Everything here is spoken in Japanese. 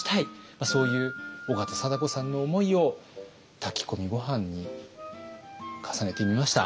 そういう緒方貞子さんの思いを炊き込みご飯に重ねてみました。